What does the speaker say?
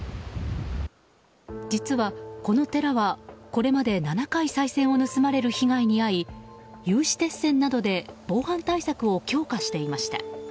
実は、この寺はこれまで７回さい銭を盗まれる被害に遭い有刺鉄線などで防犯対策を強化していました。